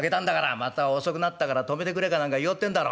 また遅くなったから泊めてくれかなんか言おうってんだろ。